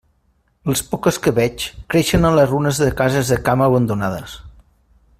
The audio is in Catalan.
Les poques que veig creixen a les runes de cases de camp abandonades.